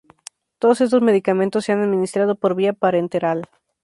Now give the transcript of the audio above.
Todos estos medicamentos se han administrado por vía parenteral.